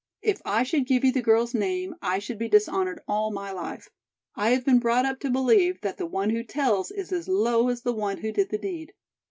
If I should give you the girl's name I should be dishonored all my life. I have been brought up to believe that the one who tells is as low as the one who did the deed.